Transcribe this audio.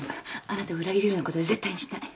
あなたを裏切るようなことは絶対にしない。